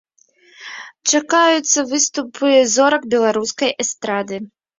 Чакаюцца выступы зорак беларускай эстрады.